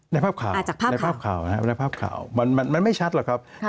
ในภาพข่าวในภาพข่าวนะครับ